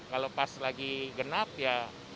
kalau pas lagi genap ya